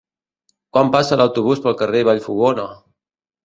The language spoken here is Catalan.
Quan passa l'autobús pel carrer Vallfogona?